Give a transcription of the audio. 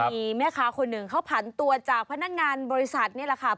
มีแม่ค้าคนหนึ่งเขาผันตัวจากพนักงานบริษัทนี่แหละค่ะ